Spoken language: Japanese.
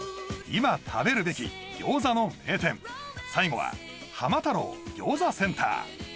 今食べるべき餃子の名店最後は浜太郎餃子センター